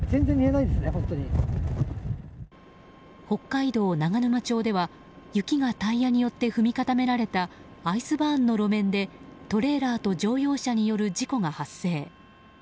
北海道長沼町では、雪がタイヤによって踏み固められたアイスバーンの路面でトレーラーと乗用車による事故が発生。